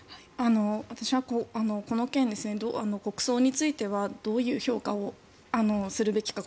私はこの件で国葬についてはどういう評価をするべきか